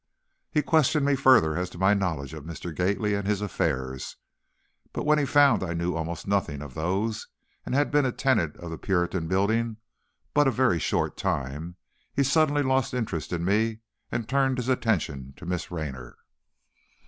He questioned me further as to my knowledge of Mr. Gately and his affairs, but when he found I knew almost nothing of those and had been a tenant of the Puritan Building but a very short time he suddenly lost interest in me and turned his attention to Miss Raynor.